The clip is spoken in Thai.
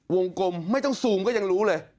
กลมไม่ต้องซูมก็ยังรู้เลย